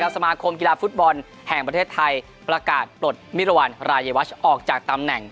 สมาคมกีฬาฟุตบอลแห่งประเทศไทยประกาศปลดมิรวรรณรายวัชออกจากตำแหน่ง